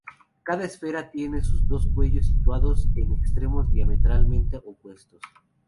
Cada esfera tiene sus dos cuellos situados en extremos diametralmente opuestos.